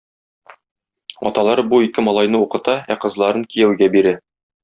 Аталары бу ике малайны укыта, ә кызларын кияүгә бирә.